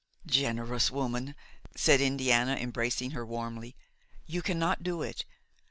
"Generous woman!" said Indiana, embracing her warmly, "you cannot do it.